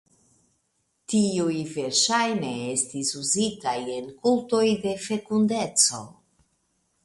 Tiuj verŝajne estis uzitaj en kultoj de fekundeco.